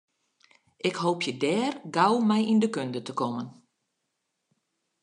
Ik hoopje dêr gau mei yn de kunde te kommen.